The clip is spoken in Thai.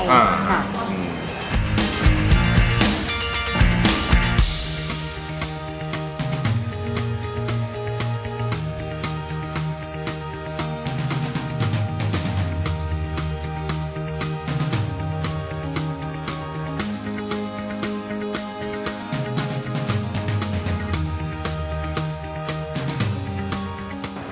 ค่ะค่ะอืม